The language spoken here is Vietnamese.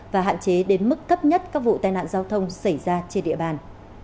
và hạn chế đến mức thấp nhất các vụ tai nạn giao thông xảy ra trên địa bàn